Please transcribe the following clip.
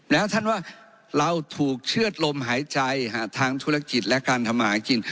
แล้วท่านว่าเราถูกเชื่อดลมหายใจทางธุรกิจและการทำหากิน